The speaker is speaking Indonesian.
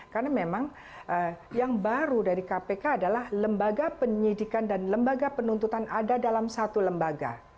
karena memang yang baru dari kpk adalah lembaga penyidikan dan lembaga penuntutan ada dalam satu lembaga